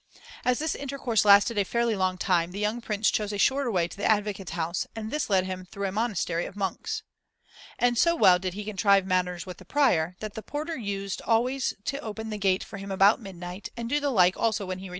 As this intercourse lasted a fairly long time, the young Prince chose a shorter way to the advocate's house, and this led him through a monastery of monks. (4) And so well did he contrive matters with the Prior, that the porter used always to open the gate for him about midnight, and do the like also when he returned.